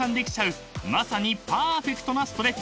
まさにパーフェクトなストレッチ］